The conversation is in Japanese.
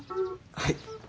はい。